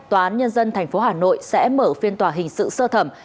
tòa án nhân dân thành phố hà nội sẽ mở phiên tòa hình sự sơ thẩm